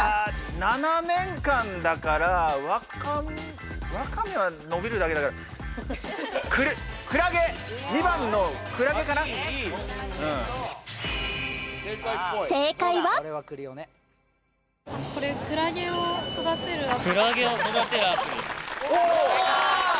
７年間だからワカメは伸びるだけだからクラゲ２番のクラゲかな正解はこれクラゲを育てるアプリクラゲを育てるアプリおおっ正解！